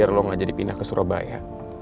biar lo gak jadi pindah ke surabaya